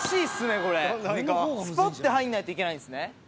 スポって入らないといけないんですね。